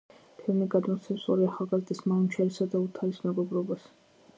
ფილმი გადმოსცემს ორი ახალგაზრდის, მანუჩარისა და ოთარის მეგობრობას.